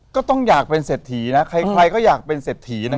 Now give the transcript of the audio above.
ก็ต้องอยากเป็นเศรษฐีนะใครก็อยากเป็นเศรษฐีนะ